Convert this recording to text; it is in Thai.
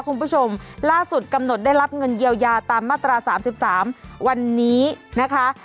คุณผู้ชมล่าสุดกำหนดได้รับเงินเยียวยาตามมาตรา๓๓วันนี้นะคะ